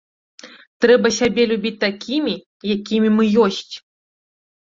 Трэба сябе любіць такімі, якімі мы ёсць.